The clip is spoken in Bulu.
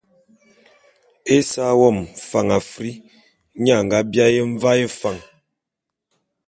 Ésa wongan Fan Afr, nye a nga biaé Mvaé Fan.